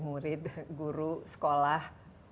murid guru sekolah